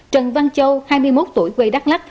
trần văn châu hai mươi một tuổi quê đắk lắc